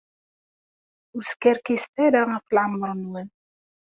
Ur skerkiset ara ɣef leɛmeṛ-nwen.